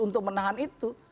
untuk menahan itu